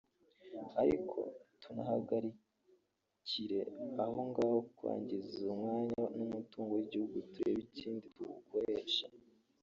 ariko tunahagarikire aho ngaho kwangiza umwanya n’umutungo w’igihugu turebe ikindi tuwukoresha